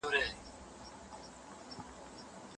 هغه له کلونو راهیسې پر همدې موضوع څېړنه کوي.